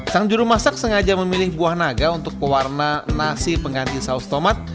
sang juru masak sengaja memilih buah naga untuk pewarna nasi pengganti saus tomat